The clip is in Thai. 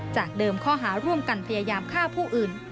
จากเดิมข้อหาร่วมกันพยายามฆ่าผู้อื่น